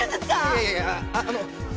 いやいやいやあの。